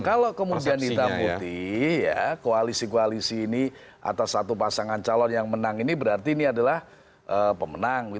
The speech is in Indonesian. kalau kemudian hitam putih koalisi koalisi ini atas satu pasangan calon yang menang ini berarti ini adalah pemenang